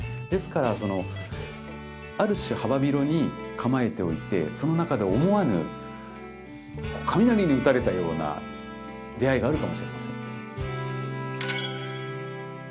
ですからある種幅広に構えておいてその中で思わぬ雷に打たれたような出会いがあるかもしれません。